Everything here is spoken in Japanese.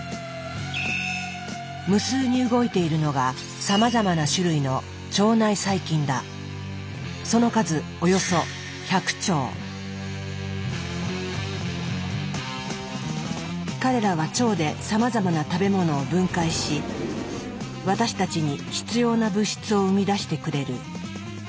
無数に動いているのがさまざまな種類の彼らは腸でさまざまな食べ物を分解し私たちに必要な物質を生み出してくれる。